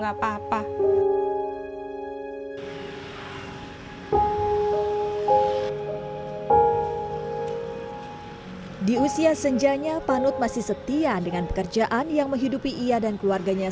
apa apa di usia senjanya panut masih setia dengan pekerjaan yang menghidupi ia dan keluarganya